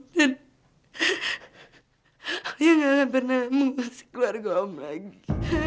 dan alia nggak akan pernah mengusik keluarga om lagi